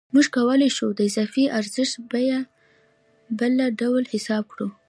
موږ کولای شو د اضافي ارزښت بیه بله ډول حساب کړو